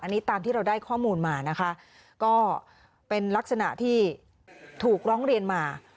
อันนี้ตามที่เราได้ข้อมูลมานะคะก็เป็นลักษณะที่ถูกร้องเรียนมา